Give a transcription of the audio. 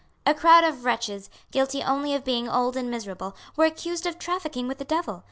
A crowd of wretches, guilty only of being old and miserable, were accused of trafficking with the devil.